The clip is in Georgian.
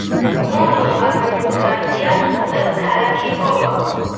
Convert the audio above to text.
კუნძულს ადმინისტრაციას უწევს ქალაქი ტობა.